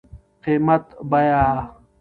قيمت √ بيه